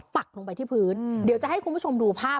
ปักลงไปที่พื้นเดี๋ยวจะให้คุณผู้ชมดูภาพ